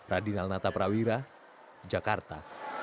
radinal nata prawira jakarta